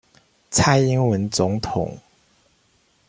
蔡英文總統